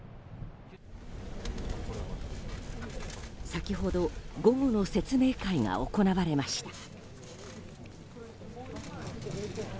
先ほど午後の説明会が行われました。